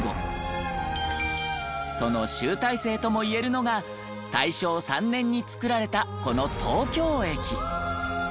その集大成ともいえるのが大正３年に造られたこの東京駅。